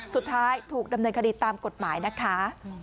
สุดท้ายถูกดำเนินคดีตามกฎหมายนะคะ